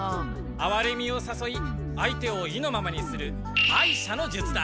あわれみをさそい相手を意のままにする哀車の術だ。